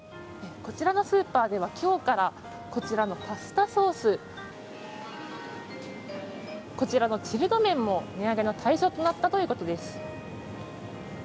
こちらのスーパーでは今日からパスタソース、チルド麺も値上げの対象となったということです。